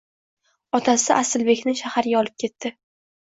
Otasi Asilbekni shaharga olib ketdi.